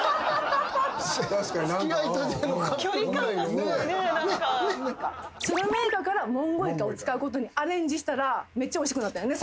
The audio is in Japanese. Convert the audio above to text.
スルメイカからモンゴウイカを使うことにアレンジしたらめっちゃおいしくなったんよね。